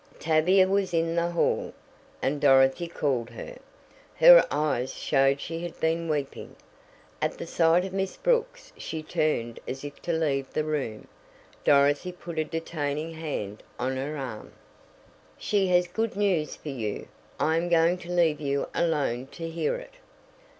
Tavia was in the hall, and Dorothy called her. Her eyes showed she had been weeping. At the sight of Miss Brooks she turned as if to leave the room. Dorothy put a detaining hand on her arm. "She has good news for you. I am going to leave you alone to hear it."